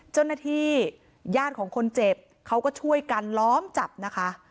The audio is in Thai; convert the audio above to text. เจ้าหน้าที่ญาติของคนเจ็บเขาก็ช่วยกันล้อมจับนะคะ